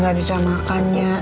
gak bisa makan ya